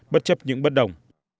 bất chấp những bất đồng